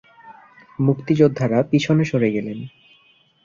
মুক্তিযোদ্ধারা পেছনে সরে গেলেন।